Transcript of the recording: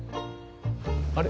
あれ？